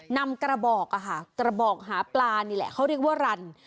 นำกระบอกกระบอกหาปลานี่แหละเขาเรียกว่ารัน